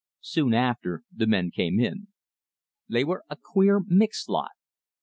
Soon after, the men came in. They were a queer, mixed lot.